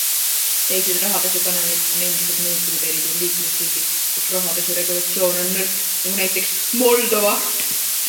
Teised rahapesukanalid on endised Nõukogude Liidu liikmesriigid, kus rahapesuregulatsioon on nõrk, nagu näiteks Moldova.